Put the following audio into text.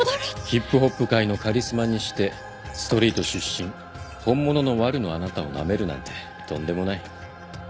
ヒップホップ界のカリスマにしてストリート出身本物のワルのあなたをなめるなんてとんでもない。